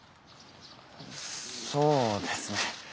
そうですね。